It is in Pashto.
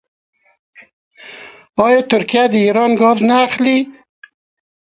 آیا ترکیه د ایران ګاز نه اخلي؟